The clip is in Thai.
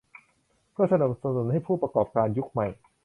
เพื่อสนับสนุนให้ผู้ประกอบการยุคใหม่